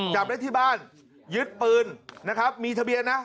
จับได้ที่บ้านยึดปืนนะครับมีทะเบียนนะ